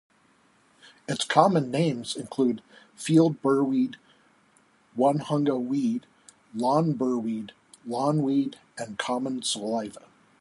Its common names include field burrweed, Onehunga-weed, lawn burrweed, lawnweed, and common soliva.